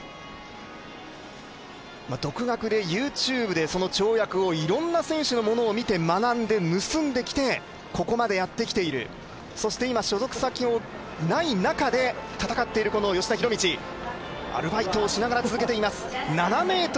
独学でＹｏｕＴｕｂｅで、その跳躍をいろんな選手のものを見て学んで、盗んできてここまでやってきている所属先がない中で戦っている吉田弘道、アルバイトをしながら続けています。